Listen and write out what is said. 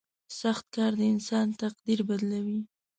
• سخت کار د انسان تقدیر بدلوي.